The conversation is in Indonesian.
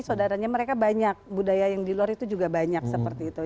saudaranya mereka banyak budaya yang di luar itu juga banyak seperti itu